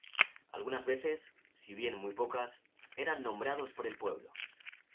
Algunas veces, si bien muy pocas, eran nombrados por el pueblo.